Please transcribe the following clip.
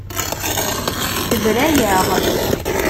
Tebra-yaɣ.